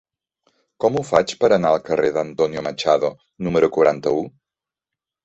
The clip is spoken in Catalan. Com ho faig per anar al carrer d'Antonio Machado número quaranta-u?